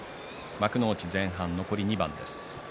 幕内前半、残り２番です。